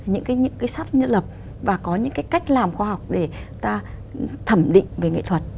những cái sắp nhận lập và có những cái cách làm khoa học để ta thẩm định về nghệ thuật